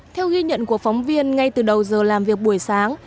theo ghi nhận của phóng viên ngay từ đầu giờ làm việc buổi sáng